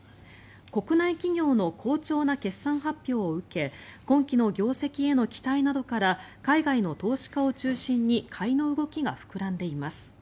国内企業の好調な決算発表を受け今期の業績への期待などから海外の投資家を中心に買いの動きが膨らんでいます。